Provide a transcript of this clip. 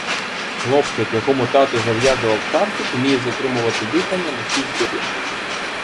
Хлопчик якому тато зав'язував шарфік, вміє затримувати дихання на шість годин